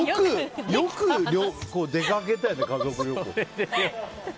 よく出かけたよね、家族旅行。